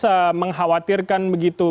menganalisa mengkhawatirkan begitu